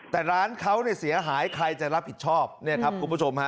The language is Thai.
แต่ร้านเขาเนี่ยเสียหายใครจะรับผิดชอบเนี่ยครับคุณผู้ชมฮะ